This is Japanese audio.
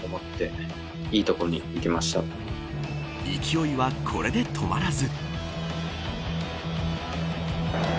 勢いはこれで止まらず。